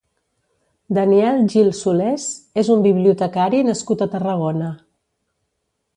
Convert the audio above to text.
Daniel Gil Solés és un bibliotecari nascut a Tarragona.